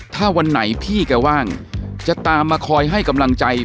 ถ้าวันไหนพี่แกว่างจะตามมาคอยให้กำลังใจ